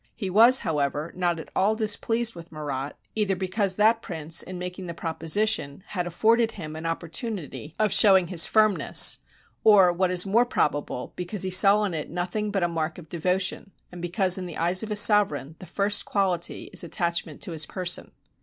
He was, however, not at all displeased with Murat, either because that prince, in making the propo sition, had afforded him an opportunity of showing his 127 RUSSIA firmness, or, what is more probable, because he saw in it nothing but a mark of devotion, and because in the eyes of a sovereign, the first quality is attachment to his person."